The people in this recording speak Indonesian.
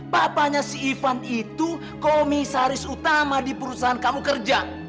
papanya si ivan itu komisaris utama di perusahaan kamu kerja